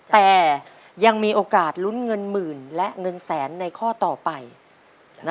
แต่ยังมีโอกาสลุ้นเงินหมื่นและเงินแสนในข้อต่อไป